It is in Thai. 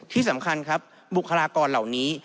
ที่สำคัญครับบุคลากรเหล่านี้